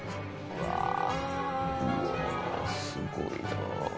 うわすごいなあ。